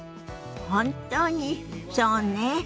本当にそうね。